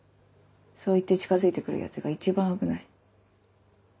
そう言って近づいて来るヤツが一番危ない。